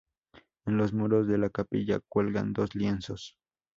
En los muros de la capilla cuelgan dos lienzos.